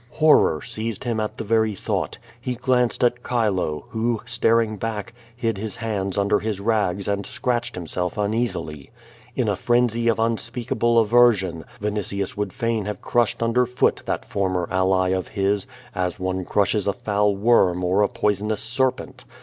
Horror seized him at the very thought. He glanced at Chilo, who, staring back, hid his hands under his rags and scratched himself uneasily. In a frenzy of unspeakable aver sion, Vinitius would fain have crushed under foot that former ally of his, as one crushes a foul worm or a poisonous serpent.